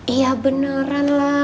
iya beneran lah